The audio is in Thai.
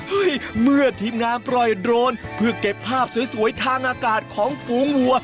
เมื่อทีมงานปล่อยโดรนเพื่อเก็บภาพสวยทางอากาศของฝูงวัว